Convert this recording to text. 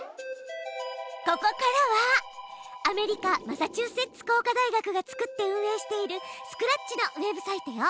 ここからはアメリカマサチューセッツ工科大学が作って運営しているスクラッチのウェブサイトよ。